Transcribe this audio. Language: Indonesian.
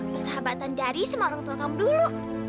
kesahabatan dari sama orang tua kamu dulu